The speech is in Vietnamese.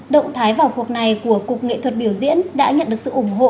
động thái vào cuộc này của cục nghệ thuật biểu diễn đã nhận được sự ủng hộ